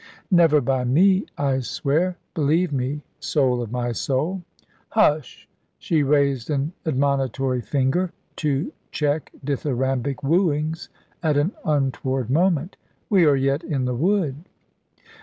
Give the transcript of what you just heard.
"Never by me, I swear. Believe me, soul of my soul " "Hush!" she raised an admonitory finger to check dithyrambic wooings at an untoward moment. "We are yet in the wood."